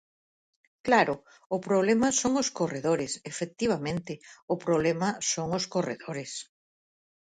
Claro, o problema son os corredores; efectivamente, o problema son os corredores.